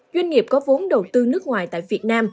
doanh nghiệp có vốn đầu tư nước ngoài tại việt nam